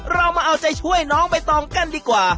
เรามาเอาใจช่วยน้องใบตองกันดีกว่า